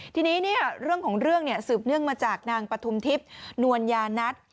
ทีนี้เรื่องของเรื่องสืบเนื่องมาจากนางปฐุมทิพย์นวลยานัท